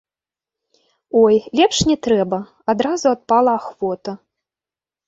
Ой, лепш не трэба, адразу адпала ахвота.